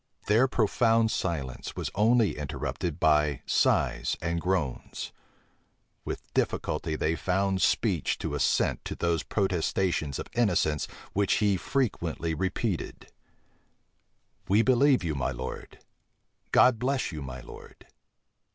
Their profound silence was only interrupted by sighs and groans: with difficulty they found speech to assent to those protestations of innocence which he frequently repeated: "We believe you, my lord! God bless you, my lord!"